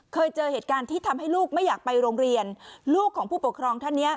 เคยเจอเหตุการณ์ที่ทำให้ลูกไม่อยากไปโรงเรียนลูกของผู้ปกครองท่านเนี้ย